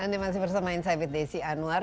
anda masih bersama insight with desi anwar